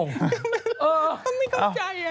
ไม่เข้าใจ